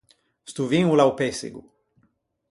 Sto vin o l’à o pessigo.